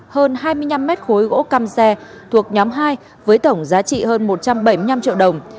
hơn hai mươi năm mét khối gỗ cam xe thuộc nhóm hai với tổng giá trị hơn một trăm bảy mươi năm triệu đồng